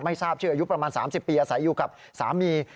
ทราบชื่ออายุประมาณ๓๐ปีอาศัยอยู่กับสามี